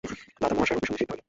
দাদামহাশয়ের অভিসন্ধি সিদ্ধ হইল।